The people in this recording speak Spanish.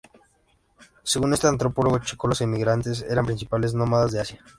Según este antropólogo checo, los emigrantes eran principalmente nómadas de Asia.